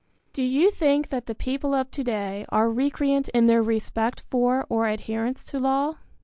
Do you think that the people of to day are recreant in their respect for or adherence to law?